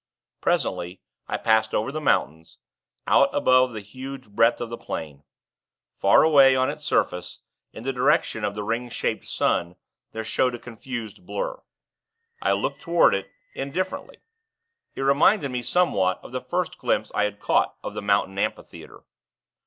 Presently, I passed over the mountains, out above the huge breadth of the plain. Far away, on its surface, in the direction of the ring shaped sun, there showed a confused blur. I looked toward it, indifferently. It reminded me, somewhat, of the first glimpse I had caught of the mountain amphitheatre.